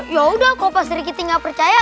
yaudah kalau pasti kitty nggak percaya